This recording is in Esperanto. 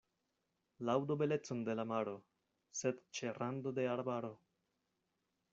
Laŭdu belecon de la maro, sed ĉe rando de arbaro.